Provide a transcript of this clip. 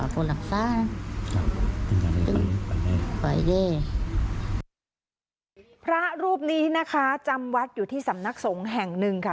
พระรูปนี้นะคะจำวัดอยู่ที่สำนักสงฆ์แห่งหนึ่งค่ะ